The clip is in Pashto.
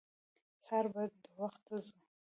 سهار به د وخته ځو.